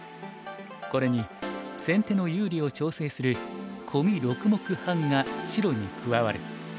これに先手の有利を調整するコミ６目半が白に加わる。